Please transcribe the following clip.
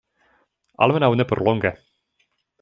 Almenaŭ ne por longe.